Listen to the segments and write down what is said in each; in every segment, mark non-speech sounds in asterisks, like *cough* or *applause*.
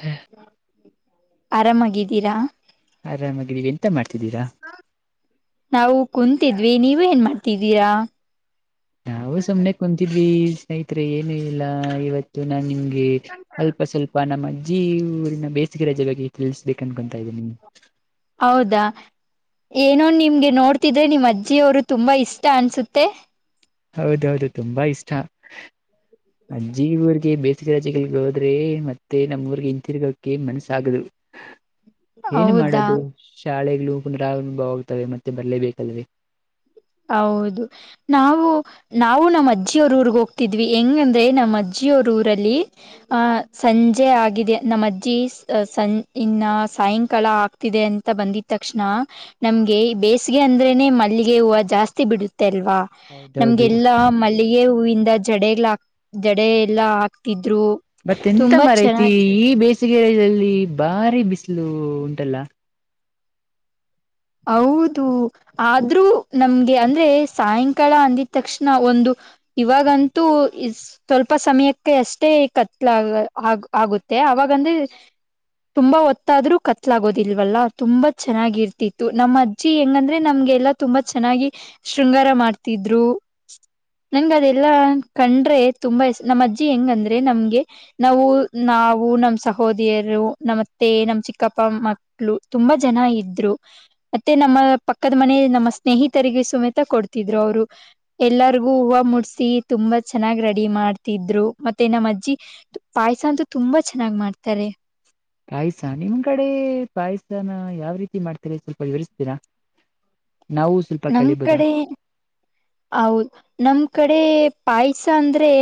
ಹ ಆರಾಮಾಗಿದ್ದೀರಾ. ಆರಾಮ್ ಇದಿವಿ ಎಂತ ಮಾಡ್ತಿದ್ದೀರಾ. ನಾವು ಕುಂತಿದ್ವಿ ನೀವ್ ಏನ್ ಮಾಡ್ತಿದ್ದೀರಾ. ನಾವು ಸುಮ್ನೆ ಕುಂತಿದ್ವಿ ಸ್ನೇಹಿತರೆ ಏನು ಇಲ್ಲ ಇವತ್ತು ನಾನ್ ನಿಮ್ಗೆ ಅಲ್ಪ ಸ್ವಲ್ಪ ನಮ್ಮ ಅಜ್ಜಿ ಊರಿನ ಬೇಸಿಗೆ ರಜೆ ಬಗ್ಗೆ ತಿಳಿಸಬೇಕು ಅನ್ಕೊತಾ ಇದ್ದೀನಿ. ಹೌದಾ ಏನೋ ನಿಮ್ಗೆ ನೋಡ್ತಿದ್ರೆ ನಿಮ್ಮ್ ಅಜ್ಜಿಯವರು ತುಂಬಾ ಇಷ್ಟ ಅನ್ಸುತ್ತೆ. ಹೌದೌದು ತುಂಬಾ ಇಷ್ಟ‌. ಅಜ್ಜಿ ಊರಿಗೆ ಬೇಸಿಗೆ ರಜೆಗಳಿಗೆ ಹೋದ್ರೆ ಮತ್ತೆ ನಮ್ಮೂರಿಗೆ ಹಿಂತಿರ್ಗೋಕೆ ಮನಸ್ಸು ಆಗದು. ಏನು ಹೌದಾ ಮಾಡೋದು ಶಾಲೆಗಳು ಪುನರಾರಂಭ ಆಗುತ್ತವೆ ಮತ್ತೆ ಬರಲೇಬೇಕಲ್ವೇ. ಹೌದು ನಾವು ನಾವು ನಮ್ಮ ಅಜ್ಜಿಯವರ ಊರಿಗೆ ಹೋಗ್ತಿದ್ವಿ ಹೆಂಗಂದ್ರೆ ನಮ್ಮ ಅಜ್ಜಿಯರ ಊರಲ್ಲಿ ಆ ಸಂಜೆ ಆಗಿದೆ ನಮ್ಮ ಅಜ್ಜಿ ಸಂ ಇನ್ನ ಸಾಯಂಕಾಲ ಆ ತಿದೆ ಅಂತ ಬಂದಿದ್ ತಕ್ಷಣ ನಮ್ಗೆ ಬೇಸಗೆ ಅಂದ್ರೇನೆ ಮಲ್ಲಿಗೆ ಹೂ ಜಾಸ್ತಿ ಬಿಡುತ್ತೆ ಅಲ್ವಾ ನಮಗೆ ಹೌದೌದು ಎಲ್ಲಾ ಮಲ್ಲಿಗೆ ಹೂವಿಂದ ಜಡೆಗಳ ಜಡೆ ಎಲ್ಲಾ ಹಾಕ್ತಿದ್ರು. ಮತ್ತ್ ಎಂತ ತುಂಬಾ ಮರೈತಿ ಚೆನ್ನಾಗಿ ಈ ಬೇಸಿಗೆಯಲ್ಲಿ ಬಾರಿ ಬಿಸಿಲು ಉಂಟಲ್ಲ. ಹೌದು ಆದ್ರೂ ನಮ್ಗೆ ಅಂದ್ರೆ ಸಾಯಂಕಾಲ ಅಂದಿದ್ ತಕ್ಷಣ ಒಂದು ಇವಾಗಂತೂ ಇಸ್ ಸ್ವಲ್ಪ ಸಮಯಕ್ಕೆ ಅಷ್ಟೇ ಕತ್ತಲು ಆ ಆಗುತ್ತೆ ಅವಾಗಂದ್ರೆ ತುಂಬಾ ಹೊತ್ತಾದ್ರೂ ಕತ್ಲಾಗೋದಿಲ್ವಲ್ಲ ತುಂಬಾ ಚೆನ್ನಾಗಿರ್ ತ್ತಿತ್ತು ನಮ್ಮ ಅಜ್ಜಿ ಹೆಂಗಂದ್ರೆ ನಮ್ಗೆಲ್ಲಾ ತುಂಬಾ ಚೆನ್ನಾಗಿ ಶೃಂಗಾರ ಮಾಡ್ತಿದ್ರು. ನಂಗ್ ಅದೆಲ್ಲಾ ಕಂಡ್ರೆ ತುಂಬಾ ಇಷ್ ನಮ್ಮ್ ಅಜ್ಜಿ ಹೆಂಗಂದ್ರೆ ನಮಗೆ. ನಾವು ನಾವು ನಮ್ಮ ಸಹೋದರಿರು ನಮ್ಮತ್ತೆ ನಮ್ ಚಿಕ್ಕಪ್ಪ ಮಕ್ ಳ್ಳು ತುಂಬಾ ಜನ ಇದ್ರು. ಮತ್ತೆ ನಮ್ಮ ಪಕ್ಕದ ಮನೆ ನಮ್ಮ ಸ್ನೇಹಿತರಿಗೆ ಸುಮೇತ ಕೊಡ್ತಿದ್ರು ಅವರು. ಎಲ್ಲಾರಿಗು ಹೂವ ಮುಡ್ಸಿ ತುಂಬಾ ಚೆನ್ನಾಗ್ ರೆಡಿ ಮಾಡ್ತಿದ್ರು ಮತ್ತೆ ನಮ್ಮ ಅಜ್ಜಿ ಪಾಯಸ ಅಂತೂ ತುಂಬಾ ಚೆನ್ನಾಗ್ ಮಾಡ್ತಾರೆ. ಪಾಯಸ ನಿಮ್ ಕಡೆ ಪಾಯಸನ ಯಾವ ರೀತಿ ಮಾಡ್ತೀರಿ ಸ್ವಲ್ಪ ಹೇಳ್ಸತ್ತಿರಾ. ನಾವು ನಮ್ ಕಡೆ ಹೌದ್ ನಮ್ ಕಡೆ ಪಾಯಸ ಅಂದ್ರೆ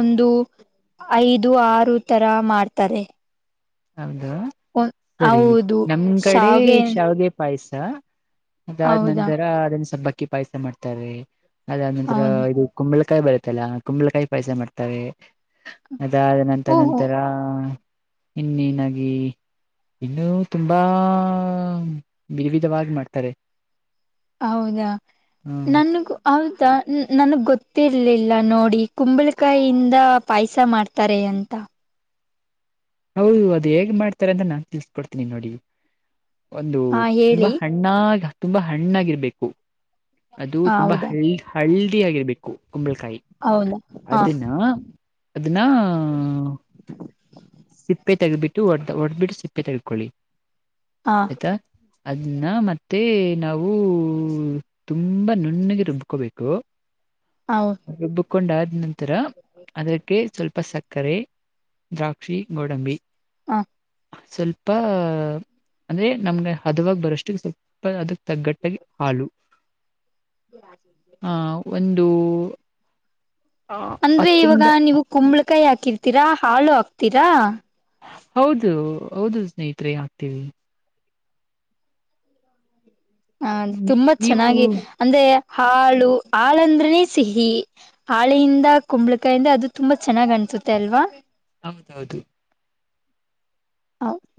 ಒಂದು ಐದು ಆರು ತರ ಮಾಡ್ತಾರೆ. ಹೌದು ಒನ್- ಸರಿ ಹೌದು ನಮ್ ಕಡೆ ಶಾವ್ಗೆ ಶಾವಿಗೆ ಪಾಯಸ ಅದಾದ್ ಹೌದಾ ನಂತರ ಅದನ್ನ ಸಬ್ಬಕ್ಕಿ ಪಾಯಸ ಮಾಡ್ತಾರೆ. ಅದಾದ ನಂತರ ಹೌದು ಇದು ಕುಂಬಳಕಾಯಿ ಬರುತ್ತಲ್ಲ ಕುಂಬಳಕಾಯಿ ಪಾಯಸ ಮಾಡ್ತರೆ ಅದ್ ನಂತ ಓಹೋ ನಂತರ ಇನ್ನೆನಾಗಿ ಇನ್ನೂ ತುಂಬಾ ವಿಧವಿಧವಾಗಿ ಮಾಡ್ತಾರೆ. ಹೌದಾ ಹ್ಮ್ ನನಗೂ ಹೌದಾ ನನಗ್ ಗೊತ್ತಿರ್ಲಿಲ್ಲ ನೋಡಿ ಕುಂಬಳಕಾಯಿಂದ ಪಾಯಸ ಮಾಡ್ತ್ ತ್ತಾರೆ ಅಂತ ಹೌದು ಅದು ಹೇಗ್ ಮಾಡ್ತಾರೆ ಅಂತ ನಾನ್ ತಿಳ್ಸ್ಕೊಡ್ತೀನಿ ನೋಡಿ ಒಂದು ಹಾ ತುಂಬಾ ಹೇಳಿ ಹಣ್ ಹಣ್ಣಾ ತುಂಬಾ ಹಣ್ಣಾಗಿರ್ಬೇಕು ಅದು ತುಂಬಾ ಹ ಹಳ್ಳದಿ ಆಗಿರ್ಬೇಕು ಕುಂಬಳಕಾಯಿ ಹೌದಾ ಹ ಅದನ್ನ ಅದನ್ನಾ ಸಿಪ್ಪೆ ತೆಗಿದು ಬಿಟ್ಟು ಹೊಡ್ಬಿಟ್ಟು ಸಿಪ್ಪೆ ತೆಗದ್ಕೊಳ್ಳಿ. ಹಾ ಆಯ್ತಾ ಅದನ್ನ ಮತ್ತೆ ನಾವು ತುಂಬಾ ನುಣ್ಣುಗೆ ರುಬ್ಕೋಬೇಕು. ಹೌ ರುಬ್ಬಕೊಂಡ್ ಆದ ನಂತರ ಅದಕ್ಕೆ ಸ್ವಲ್ಪ ಸಕ್ಕರೆ ದ್ರಾ ಕ್ಷಿ ಗೋಡಂಬಿ ಹಾ ಸ್ವಲ್ಪ ಅಂದ್ರೆ ನಮಗೆ ಹದುವಾಗ ಬರೋಷ್ಟಕ್ಕೆ ಸ್ವಲ್ಪ ಅದಕ್ಕ್ ತಗ್ಗಟ್ಟಾಗಿ ಹಾಲು ಆ ಒಂದು *unintelligible* ಅಂದ್ರೆ ಇವಾಗ ಹತ್ತರಿಂದ ನೀವು ಕುಂಬಳಕಾಯಿ ಹಾಕಿರ್ತೀರಾ ಹಾಲು ಹಾಕ್ತೀರಾ. ಹೌದು ಹೌದು ಸ್ನೇಹಿತ್ರೆ ಹಾಕ್ತೀವಿ. ಹ ತುಂಬಾ ನೀ- ನೀವು ಚೆನ್ನಾಗಿ ಅಂದ್ರೆ ಹಾಳು ಹಾಲಂದ್ರನೇ ಸಿಹಿ ಹಾಲೆಯಿಂದ ಕುಂಬಳಕಾಯಿಂದ ಅದು ತುಂಬಾ ಚೆನ್ನಾಗ್ ಅನ್ಸುತ್ತೆ ಅಲ್ವಾ. ಹೌದೌದು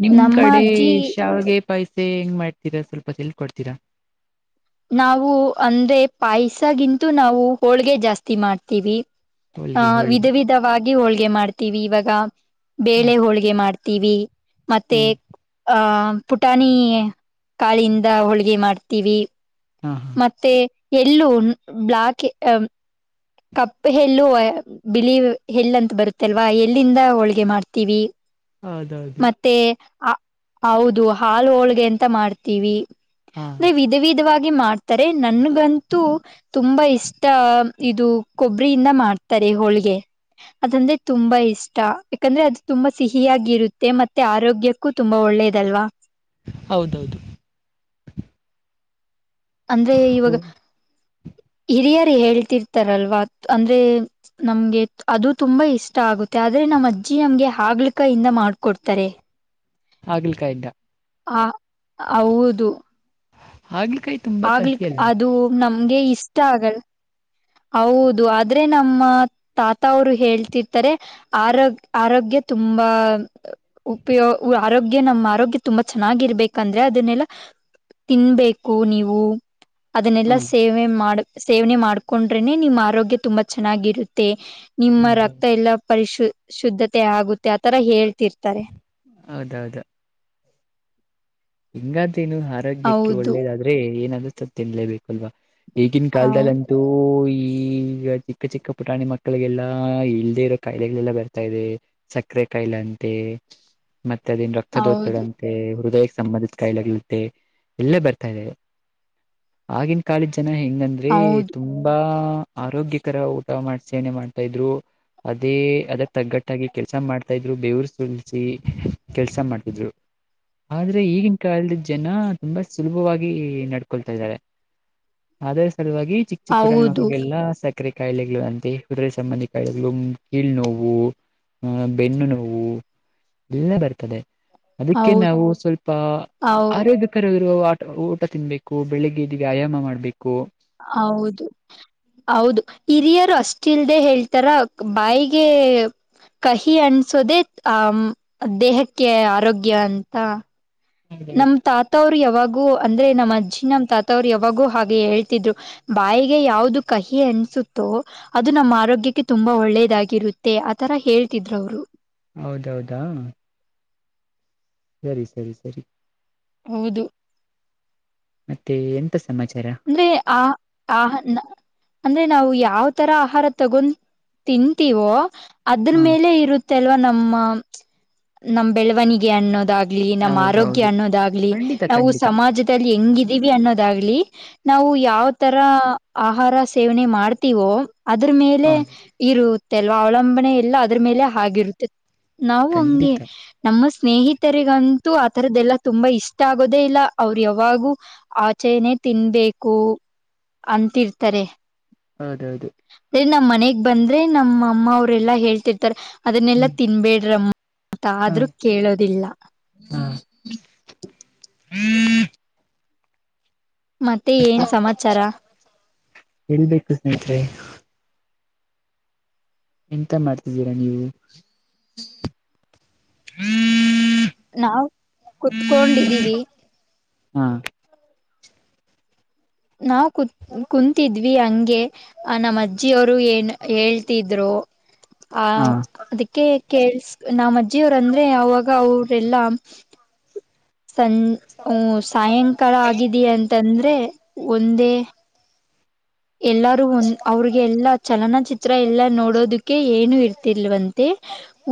ನಿಮ್ ನಮ್ಮ ಕಡೆ ಅಜ್ಜಿ ಶಾವಿಗೆ ಪೈಸೆ ಹೆಂಗ್ ಮಾಡ್ತೀರಾ ಸ್ವಲ್ಪ ತಿಳ್ಕೊಡ್ತೀರಾ. ನಾವು ಅಂದ್ರೆ ಪಾಯಸಗಿಂತೂ ನಾವು ಹೋಳಿಗೆ ಜಾಸ್ತಿ ಮಾಡ್ತೀವಿ. ಹ ಹೋಳ್ಗೆ ವಿಧ ಹೋಳಿಗೆ ವಿಧವಾಗಿ ಹೋಳಿಗೆ ಮಾಡ್ತೀವಿ ಇವಾಗ ಹ್ಮ್ ಬೇಳೆ ಹೋಳಿಗೆ ಮಾಡ್ತ್ ತ್ತಿವಿ ಮತ್ತೆ ಹ್ಮ್ ಆಹ ಪುಟಾಣಿ ಕಾಳಿಂದ ಹೋಳಿಗೆ ಮಾಡ್ತೀವಿ. ಹಾ ಹಾ ಮತ್ತೆ ಎಳ್ಳು ಹ್ಮ್ ಬ್ಲಾಕ್ ಎ ಕಪ್ಪು ಎಳ್ಳು ಬಿಳ್ಳಿ ಎಳ್ಳು ಅಂತ ಬರುತ್ತಲ್ವಾ ಎಳ್ಳಿಂದ ಹೋಳಿಗೆ ಮಾಡ್ತೀವಿ. ಹೌದೌದು ಮತ್ತೆ ಹೌದು ಹಾಲು ಹೋಳಿಗೆ ಅಂತ ಮಾಡ್ತೀವಿ ಹಾ ಅಂದೆ ವಿಧ ವಿಧವಾಗಿ ಮಾಡ್ತಾರೆ ನನ್ಗಂತೂ ತುಂಬಾ ಇಷ್ಟ ಇದು ಕೊಬ್ಬರಿಯಿಂದ ಮಾಡ್ತಾರೆ ಹೋಳಿಗೆ. ಅದಂದ್ರೆ ತುಂಬಾ ಇಷ್ಟ ಯಾಕಂದ್ರೆ ಅದು ತುಂಬಾ ಸಿಹಿಯಾಗಿ ಇರುತ್ತೆ ಮತ್ತೆ ಆರೋಗ್ಯಕ್ಕೂ ಕ್ಕು ತುಂಬಾ ಒಳ್ಳೇದಲ್ವಾ. ಹೌದೌದು ಅಂದ್ರೆ ಇವಾಗ ಹ ಹಿರಿಯರ್ ಹೇಳ್ತಿರ್ತಾರಲ್ವಾ ಅಂದ್ರೆ ನಮ್ಗೆ ಅದು ತುಂಬಾ ಇಷ್ಟ ಆಗುತ್ತೆ ಆದ್ರೆ ನಮ್ಮ್ ಅಜ್ಜಿ ನಮಗೆ ಹಗಲಕಾಯಿಂದ ಮಾಡ್ಕೊಡ್ತಾರೆ. ಹಾಗಲ ಕಾಯಿಂದ ಹ ಹೌದು ಹಾಗಲ ಕಾಯ್ ಹಾಗಲ್ ಕಾ ಅದು ನಮ್ಗೆ ಇಷ್ಟ ಆಗಲ್. ಹೌದು ಆದ್ರೆ ನಮ್ಮ ತಾತ ಅವರು ಹೇಳ್ತಿರ್ತಾರೆ. ಆರೋಗ್ ಆರೋಗ್ಯ ತುಂಬಾ. ಉಪಯೂ ಆರೋಗ್ಯ ನಮ್ಮ ಆರೋಗ್ಯ ತುಂಬಾ ಚೆನ್ನಾಗಿರ್ಬೇಕಂದ್ರೆ ಅದನ್ನೆಲ್ಲಾ ತಿನ್ಬೇಕು ನೀವು ಅದನ್ನೆಲ್ಲಾ ಹ್ಮ್ ಸೇವೆ ಮಾಡ ಸೇವನೆ ಮಾಡ. ಕೊಂಡ್ರೆನೆ ನಿಮ್ಮ ಆರೋಗ್ಯ ತುಂಬಾ ಚೆನ್ನಾಗಿರುತ್ತೆ ನಿಮ್ಮ ಹೌದೌದು ರಕ್ತ ಎಲ್ಲಾ ಪರಿಶು. ಶುದ್ಧತೆ ಆಗುತ್ತೆ ಆತರಾ ಹೇಳ್ತಿರ್ತಾರೆ. ಹೌದು ದೌದು. ಹಿಂಗತಿನ್ನು ಹಾತ್. ಆರೋಗ್ಯಕ್ಕೆ ಹೌದು ಒಳ್ಳೇದಾದ್ರೆ ಏನಾದ್ರೂ ತಿ ತಿನ್ನಲೇಬೇಕಲ್ವಾ ಈಗಿನ ಹೌದು ಕಾಲದಲ್ಲಂತೂ. ಪೋರಿ ಈಗ ಚಿಕ್ಕ ಚಿಕ್ಕ ಪುಟಾಣಿ ಮಕ್ಕಳಿಗೆಲ್ಲಾ ಇಲ್ಲದೆ ಇರೋ ಕಾಯಿಲೆಗಳೆಲ್ಲಾ ಬರ್ತಾ ಇದೆ. ಸಕ್ಕರೆ ಕಾಯಿಲೆ ಅಂತೆ ಮತ್ತೆ ಅದನ್ ಹೌದು ರಕ್ತದೊತ್ತಡಂತೆ ಹೃದಯ. ಸಂಬಂಧದಕಾಯಲೆಗಳಂತೆ ಎಲ್ಲ ಬರ್ತಾ ಇದೆ ಆಗಿನ ಕಾಲದ ಜನಾ ಹೆಂಗ ಅಂದ್ರ ದ್ರೆ ಹೌದು ತುಂಬಾ ಆರೋಗ್ಯಕರ ಊಟ ಮಾಡಸೇವನೆ ಮಾಡ್ತಾ ಇದ್ರು. ಅದೇ ಅದ ತಗ್ಗಟ್ಟಾಗಿ ಕೆಲ್ಸ ಮಾಡ್ತಾ ಇದ್ರು ಬೇವರು ಸುರಸಿ ಕೆಲ್ಸ ಮಾಡ್ತಿದ್ರು. ಆದ್ರೆ ಈಗಿನ ಕಾಲದ ಜನಾ ತುಂಬಾ ಸುಲಭವಾಗಿ ನಡ್ಕೊಳ್ತಾ ಇದ್ದಾರೆ. ಅದೇ ಸಲುವಾಗಿ ಚಿಕ್ಕ ಚಿಕ್ಕ ಪಿಟಾಣಿ ಹೌದು ಮಕ್ಕಳಿಗೆಲ್ಲ ಸಕ್ ಸಕ್ಕರೆ ಕಾಯಿಲೆಗಳು ಅಂತೆ ಹೃದಯ ಸಂಬಂಧಿ ಕಾಯಿಲೆಗಳು ಕೀಳ್ ನೋವು ಹ ಬೆನ್ನು ನೋವು ಎಲ್ಲಾ ಬರ್ತದೆ. ಅದಕ್ಕೆ ಹೌದು ನಾವು ಸ್ವಲ್ಪ ಹೌದು ಆರೈ ಗ್ಯಕರ ಇರುವ ಆಟ ಊಟ ತಿನ್ಬೇಕು ಬೆಳಿಗ್ಗೆ ಇದ ವ್ಯಾಯಾಮ ಮಾಡ್ಬೇಕು. ಹೌದು ಹೌದು ಹಿರಿಯರು ಅಷ್ಟ ಇಲ್ದೆ ಹೇಳ್ತಾರ ಬಾಯಿಗೆ. ಕಹಿ ಅಣಸೋದೆ ಆಮ್ ದೇಹಕ್ಕೆ ಆರೋಗ್ಯ ಅಂತಾ. ನಮ್ಮ ತಾತ ಅವ್ರು ಯಾವಾಗೂ ಅಂದ್ರೆ ನಮ್ಮ ಅಜ್ಜಿ ನಮ್ಮ ತಾತವ್ರು ಯಾವಾಗೂ ಹಾಗೆ ಹೇಳ್ತಿದ್ರು. ಬಾಯಿಗೆ ಯಾವ್ದ ಕಹಿ ಅಣಸುತ್ತೋ ಅದು ನಮ್ಮ ಆರೋಗ್ಯಕ್ಕೆ ತುಂಬಾ ಒಳ್ಳೇದಾಗಿರುತ್ತೆ. ಆತರ ಹೇಳ್ತಿದ್ರು ಅವರು ಹೌದ ಹೌದಾ ಸರಿ ಸರಿ ಸರಿ. ಹೌದು. ಮತ್ತೆ ಎಂತ ಸಮಾಚಾರಾ. ಅಂದ್ರೆ ಆ ಆಹನ ಅಂದ್ರೆ ನಾವು ಯಾವತರಾ ಆಹರಾ ತಗೊತಿನ್ಂತೀವೋ. ಅದ್ರ ಹಾ ಮೇಲೆ ಇರುತ್ತೆ ಅಲ್ವಾ ನಮ್ಮ ನಮ್ಮ ಬೆಳವಣಿಗೆ ಅನ್ನೋದಾಗ ಆಗ್ಲಿ ನಮ್ಮ ಆರೋಗ್ಯ ಹೌದೌದು ಅನ್ನೋದಾಗ್ಲಿ ಖಂಡಿತ ನಾವು ಖಂಡಿತ ಸಮಾಜದಲ್ಲಿ ಹೆಂಗಿದೀವಿ ಅನ್ನೋದಾಗ್ಲಿ. ನಾವು ಯಾವ ತರಾ ಆಹಾರ ಸೇವನೆ ಮಾಡ್ತೀವೋ ಅದ್ರ ಮೇಲೆ ಹೌದು ಇರುತ್ತೆ ಅಲ್ವಾ ಅವಲಂಬನೆ ಎಲ್ಲ ಅದ್ರ ಮೇಲೆ ಹಾಗಿರುತ್ತೆ ನಾವು ಹಂಗೆ. ಖಂಡಿತ ನಮ್ಮ ಸ್ನೇಹಿತರಿಗಂತೂ ಆತರದ್ದೆಲ್ಲಾ ತುಂಬಾ ಇಷ್ಟ ಆಗೋದೇ ಇಲ್ಲ ಅವ್ರ ಯಾವಾಗೂ. ಆಚೆನೇ ತಿನ್ಬೇಕು ಅಂತಿರ್ತಾರೆ. ಹೌದ ಹೌದು ಇನ್ನ ನಮ್ಮ ಮನೆಗ ಬಂದ್ರೆ ನಮ್ಮ ಅಮ್ಮ ಅವ್ರೆಲ್ಲಾ ಹೇಳ್ತಿರ್ತಾರೆ ಅದನ್ನೆಲ್ಲಾ ಹ್ಮ್ ತಿನ್ಬೇಡ್ರಮ್ಮ. ತ್ತಾಆದ್ರೂ ಕೇಳದಿಲ್ಲಾ. ಹ ಹ ಮತ್ತೆ ಏನು ಸಮಾಚಾರಾ. ಹೇಳ್ಬೇಕು ಸ್ನೇಹಿತರೆ. ಎಂತ ಮಾಡ್ತಿದ್ದೀರಾ ನೀವು ನಾವು ಕುತ್ಕೊಂಡಿದೀವಿ. ಹಾ ನಾವು ಕುತ್ ಕುಂತಿದ್ವಿ ಹಂಗೆ. ಆ ನಮ್ಮ್ ಅಜ್ಜಿಯ ಅವರು ಹೇಳ್ತಿದ್ರು. ಆ ಹಾ ಅದಕ್ಕೆ ಕೇಳ್ಸ್ ನಮ್ಮ್ ಅಜ್ಜಿಯವ್ರ ಅಂದ್ರೆ ಅವಾಗ ಅವ್ರೆಲ್ಲಾ. ಸಂ ಸಾಯಂಕಾಲ ಆಗಿದ ಅಂತಂದ್ರೆ ಒಂದೇ. ಎಲ್ಲಾರೂ ಒಂದ ಅವ್ರಿಗೆಲ್ಲಾ ಚಲನಚಿತ್ರ ಎಲ್ಲಾ ನೋಡೋದಕ್ಕೆ ಏನು ಇರ್ತಿಲ್ವಂತೆ.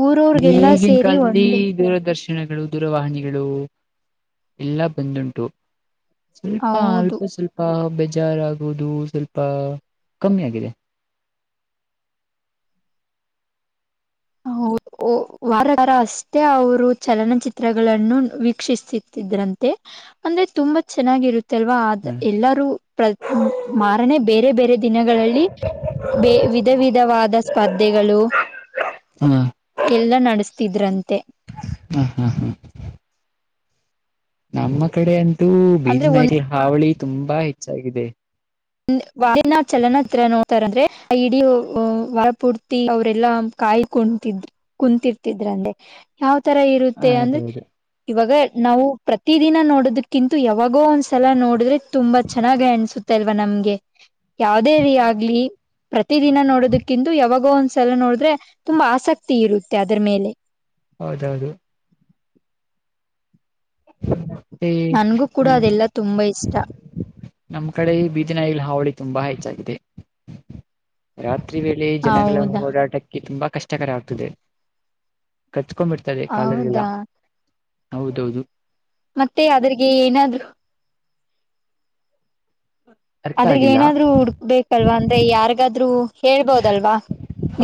ಊರವ್ರಗೆಲ್ಲಾ ಸೇರಿ ಒಂದೇ. ದೇವದರ್ಶ್. ದಿನಗಳು ದೂರವಹಿನಿಗಳು ಎಲ್ಲಾ ಬಂದಂಟು. ಸ್ವಲ್ಪ ಹೌದು ಅಲ್ಪ ಸ್ವಲ್ಪ ಬೇಜಾರಾಗೋದು ಸ್ವಲ್ಪ ಕಮ್ಮಿ ಆಗಿದೆ. ಹ ವಾರ ವಾರ ಅಷ್ಟೇ ಅವರು ಚಲನಚಿತ್ರಗಳನ್ನು ವೀಕ್ಷಿಸ್ತಿ. ಇದ್ರಂತೆ ಅಂದ್ರೆ ತುಂಬಾ ಚೆನ್ನಾಗಿರುತ್ತೆ ಅಲ್ವಾ ಹ ಆದ ಎಲ್ಲಾರೂ. ಮಾರನೆ ಬೇರೆ ಬೇರೆ ದಿನಗಳಲ್ಲಿ. ವಿಧ ವಿಧವಾದ ಸ್ಪರ್ಧೆಗಳು. ಹ ಎಲ್ಲ ನೆಡೆಸ್ತಿದ್ರಂತೆ. ಹ್ಮ್ ಹ್ಮ್ ಹ್ಮ್. ನಮ್ಮ ಕಡೆ ಅಂತು ಅಂದ್ರೆ ಬೀದಿ ಒಂದ್ ನಾಯಿಗಳ ಹಾವಳಿ ಅಂತು ತುಂಬಾ ಹೆಚ್ಚಾಗಿದೆ. ವಾರ ಚಲನಚಿತ್ರ ನೋಡ್ತಾರೆ ಅಂದ್ರೆ ಇಡೀ ಈಗ್ಲೂ ವಾರ ಪೂರ್ತಿ ಅವರೆಲ್ಲಾ. ಕಾಯ್ ಕುಂತಿದ್ ಕುಂತರ್ತಿದ್ರಂದ್ರ ಯಾವ್ ತರ ಇರುತ್ತೆ ಅಂದ್ರೆ. ಹೌದೌದು ಇವಾಗ ನಾವು ಪ್ರತಿದಿನ ನೋಡೋದಕ್ಕಿಂತ ಯಾವಾಗೋ ಒಂದ್ಸಲ ನೋಡಿದ್ರೆ ತುಂಬಾ ಚೆನ್ನಾಗ ಅನ್ಸುತೆ ಅಲ್ವಾ. ನಮಗೆ ಯಾವದೇರ ಆಗ್ಲಿ ಪ್ರತಿದಿನ ನೋಡೋದಕ್ಕಿಂದು ಯಾವಾಗೋ ಒಂದು. ಎಲ್ಲ ನೋಡಿದ್ರೆ ತುಂಬಾ ಆಸಕ್ತಿ ಇರುತ್ತೆ ಅದ್ರ ಮೇಲೆ. ಹೌದೌರೀ. *unintelligible* ನನ್ಗೂ ಕೂಡ ಅದೆಲ್ಲ ತುಂಬಾ ಇಷ್ಟ ನಮ್ಮ್ ಕಡೆ ಈ ಬೀದಿನಾಯಿಗಳ ಹಾವಳಿ ತುಂಬಾ ಹೆಚ್ಚಾಗಿದೆ. ರಾತ್ರಿ ವೇಳೆ ಜನಗಳ ಹೌದಾ ಓಡಾಟಕ್ಕೆ ತುಂಬಾ ಕಷ್ಟ. ಕಷ್ಟಕರ ಆಗ್ತದೆ ಕಚ್ಕೊಂಡ್ಂಬಿಡ್ತದೆ ಕಾಲರ್ಗೆಲ್ಲ ಹೌದಾ ಹೌದೌದು. ಮತ್ತೆ ಅದ್ರಿಗೆ ಏನಾದ್ರು. ಅರ್ಥ ಅದ್ರಗ್ ಆಗಿಲ್ಲ ಏನಾದ್ರು ಹುಡ್ಕ್ಬೇಕಲ್ವಾ ಅಂದ್ರೆ ಯಾರಿಗಾದ್ರು. ಹೇಳ್ಬೋದಲ್ವಾ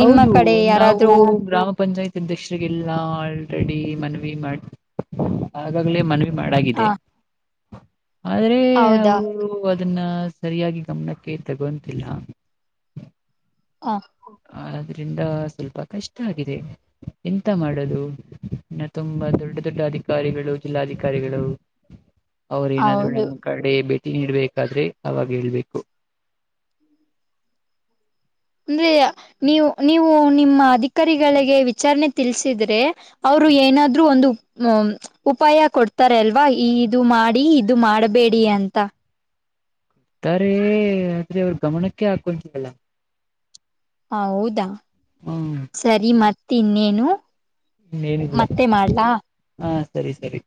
ನಿಮ್ಮ ಕಡೆ ನಾವು ಯಾರಾದ್ರೂ. ಗ್ರಾಮ ಪಂಚಾಯತ್. ಅಧ್ಯಕ್ಷರಿಗೆಲ್ಲ ಆಲ್ರೆಡಿ ಮನ್ವಿ ಮಾಡ ಆಗಾಗಲೇ ಮನ್ವಿ. ಹ ಮಾಡಗಿದೆ. ಆದ್ರೆ ಹೌದಾ ಅವರು ಅದನ್ನ ಸರಿಯಾಗಿ ಗಮನಕ್ಕೆ ತಗೊಂತಿಲ್ಲ. ಆ. ಆದ್ರಿಂದ ಸ್ವಲ್ಪ ಕಷ್ಟ ಆಗಿದೆ ಎಂತ ಮಾಡೋದು. ಇನ್ನು ತುಂಬಾ ದೊಡ್ಡ ದೊಡ್ಡ ಅಧಿಕಾರಿಗಳು ಜಿಲ್ಲಾಧಿಕಾರಿಗಳು. ಅವ್ರ ಏನಾದ್ರು ಹೌದು ನಮ್ಮ್ ಕಡೆ ಭೇಟಿ ನೀಡಡ್ಬೇಕಾದ್ರೆ ಅವಾಗ ಹೇಳ್ಬೇಕು. ಅಂದ್ರೆ ನೀವು ನೀವು ನಿಮ್ಮ ಅಧಿಕಾರಿಗಳಿಗೆ ವಿಚಾರಣೆ ತಿಲ್ಸಿದ್ರೆ. ಅವರು ಏನಾದ್ರರು ಒಂದು. ಉಪಾಯ ಕೊಡ್ತಾರಲ್ವಾ ಇದು ಮಾಡಿ ಇದು ಮಾಡಬೇಡಿ ಅಂತ. ತಾರೆ ಆದ್ರೆ ಅವರು ಗಮನಕ್ಕೆ ಹಾಕೊಂತಿಲ್ಲ. ಹ ಹೌದಾ ಹ್ಮ್ ಸರಿ ಮತ್ ಇನ್ನೇನು. ಇ ಏನಿಲ್ಲ ಮತ್ತೆ ಮಾಡ್ಲಾ ಹಾ ಸರಿ ಸರಿ.